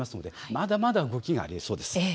まだまだ動きがあります。